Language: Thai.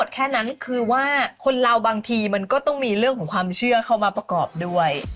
แค่นั้นคือว่าคนเราบางทีมันก็ต้องมีเรื่องของความเชื่อเข้ามาประกอบด้วย